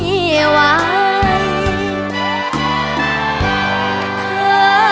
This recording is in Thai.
เพราะเธอชอบเมือง